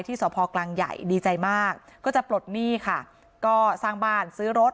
สพกลางใหญ่ดีใจมากก็จะปลดหนี้ค่ะก็สร้างบ้านซื้อรถ